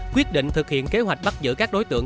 quyết định thực hiện kế hoạch bắt giữ các đối tượng